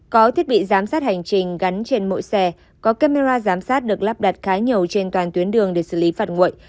có thiết bị giám sát hành trình gắn trên mỗi xe có camera giám sát được lắp đặt khá nhiều trên toàn tuyến đường để xử lý phạt nguội